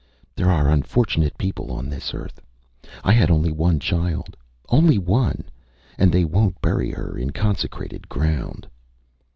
ÂThere are unfortunate people on this earth. I had only one child. Only one! And they wonÂt bury her in consecrated ground!